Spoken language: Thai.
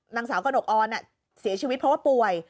นางสาวกระหนกออนเสียชีวิตเพราะว่าป่วย